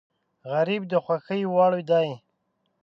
غریب د خوښۍ وړ دی